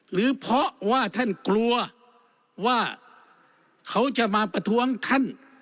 หรือเพราะว่าท่านกลัวว่าเขาจะมาประท้วงท่าน